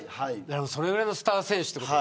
そのぐらいのスター選手ということ。